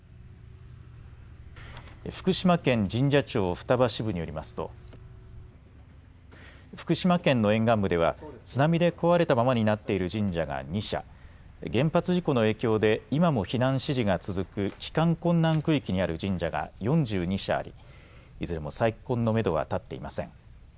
福島県神社庁双葉支部によりますと、福島県の沿岸部では、津波で壊れたままになっている神社が２社、原発事故の影響で今も避難指示が続く帰還困難区域にある神社が４２社あり、いずれも再建のメドは立っていません。